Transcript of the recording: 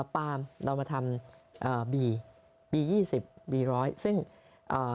นะคะเอ่อเรามาทำเอ่อบีบียี่สิบบีร้อยซึ่งเอ่อ